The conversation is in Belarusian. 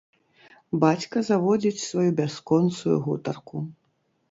Бацька заводзіць сваю бясконцую гутарку.